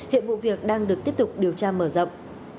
hiện vụ việc đang được tiếp tục điều tra mở rộng